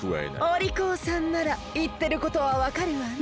おりこうさんならいってることはわかるわね？